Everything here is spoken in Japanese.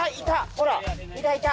ほらいたいた。